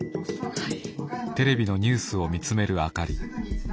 はい。